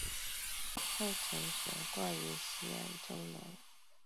后曾悬挂于西安钟楼。